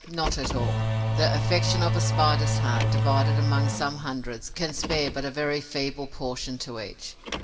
Not at all. The affection of a Spider's heart, divided among some hundreds, can spare but a very feeble portion to each.